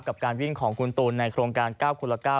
กับการวิ่งของคุณตูนในโครงการ๙คนละ๙